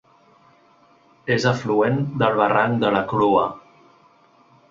És afluent del barranc de la Clua.